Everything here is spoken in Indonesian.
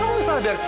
kamu gak sadar